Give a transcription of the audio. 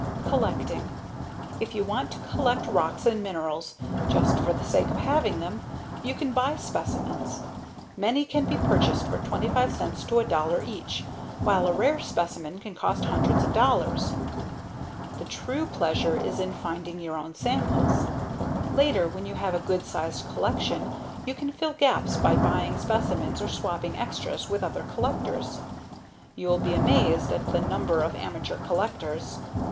COLLECTING If you want to collect rocks and minerals just for the sake of having them, you can buy specimens. Many can be purchased for 25 cents to $1 each, while a rare specimen can cost hundreds of dollars. The true pleasure is in finding your own samples. Later, when you have a good sized collection, you can fill gaps by buying specimens or swapping extras with other collectors. You'll be amazed at the number of amateur collectors.